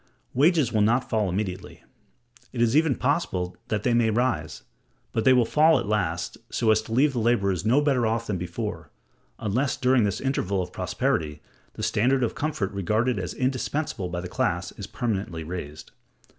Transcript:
Wages will not fall immediately: it is even possible that they may rise; but they will fall at last, so as to leave the laborers no better off than before, unless during this interval of prosperity the standard of comfort regarded as indispensable by the class is permanently raised.